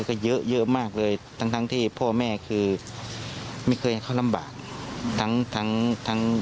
ก็เยอะเยอะมากเลยทั้งทั้งที่พ่อแม่คือไม่เคยให้เขาลำบากทั้งทั้ง